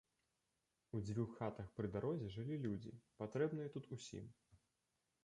У дзвюх хатах пры дарозе жылі людзі, патрэбныя тут усім.